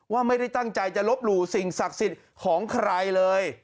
ว่าไม่ได้ตั้งใจจะลบหลู่สิ่งศักดิ์สิทธิ์ของใครเลย